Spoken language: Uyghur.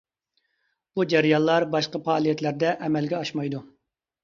بۇ جەريانلار باشقا پائالىيەتلەردە ئەمەلگە ئاشمايدۇ.